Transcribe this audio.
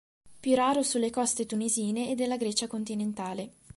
Più raro sulle coste tunisine e della Grecia continentale.